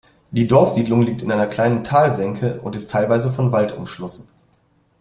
Die Dorfsiedlung liegt in einer kleinen Talsenke und ist teilweise von Wald umschlossen.